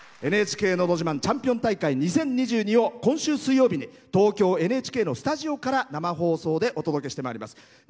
「ＮＨＫのど自慢チャンピオン大会２０２２」を今週水曜日に東京ＮＨＫのスタジオから生放送でお届けしてまいります。